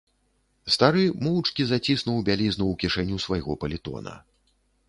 Стары моўчкі заціснуў бялізну ў кішэню свайго палітона.